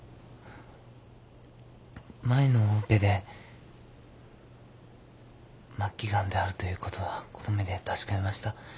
前のオペで末期ガンであるということはこの目で確かめました。